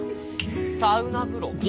「サウナ風呂」。